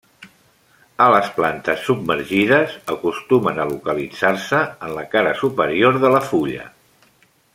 A les plantes submergides acostumen a localitzar-se en la cara superior de la fulla.